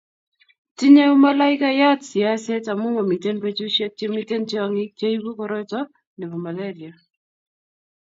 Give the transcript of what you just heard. tinyei umalaikayat siaset amu mamiten betushiek chemiten tyongik cheibu korot nebo malaria